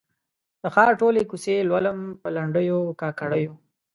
د ښار ټولي کوڅې لولم په لنډېو، کاکړیو